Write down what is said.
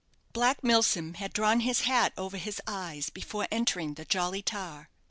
Black Milsom had drawn his hat over his eyes before entering the "Jolly Tar."